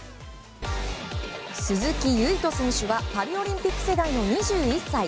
鈴木唯人選手はパリオリンピック世代の２１歳。